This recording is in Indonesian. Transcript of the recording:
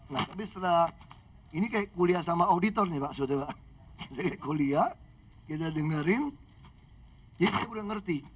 nah tapi setelah ini kayak kuliah sama auditor nih pak setelah kuliah kita dengerin jadi saya udah ngerti